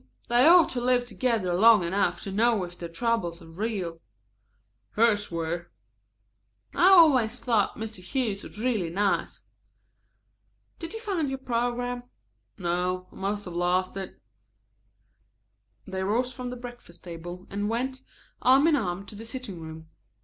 They ought to live together long enough to know if their troubles are real." "Hers were." "I always thought Mr. Hughes was real nice. Did you find your program?" "No, I must have lost it." They rose from the breakfast table and went, arm in arm, to the sitting room.